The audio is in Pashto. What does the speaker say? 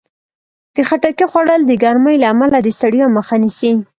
د خټکي خوړل د ګرمۍ له امله د ستړیا مخه نیسي.